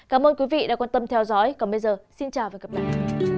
cảm ơn quý vị đã quan tâm theo dõi còn bây giờ xin chào và hẹn gặp lại